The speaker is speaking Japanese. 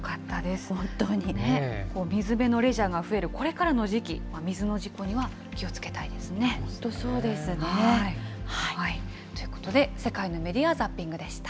水辺のレジャーが増えるこれからの時期、水の事故には気をつけたいですね。ということで、世界のメディア・ザッピングでした。